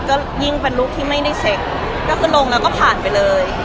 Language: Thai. ก็ยิ่งเป็นรูปที่ไม่ได้เซ็กก็คือลงแล้วก็ผ่านไปเลย